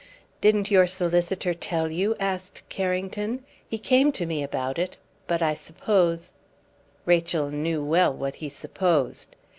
"Didn't your solicitor tell you?" asked Carrington. "He came to me about it; but I suppose " Rachel knew well what he supposed.